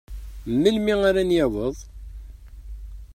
Melmi ara n-yaweḍ?